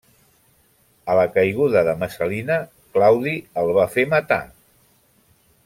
A la caiguda de Messalina Claudi el va fer matar.